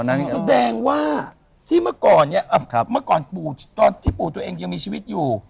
แสดงว่าที่เมื่อก่อนเนี่ยตอนที่ปู่ตัวเองยังมีชีวิตอยู่